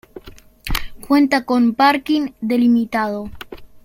Cuenta con parking delimitado.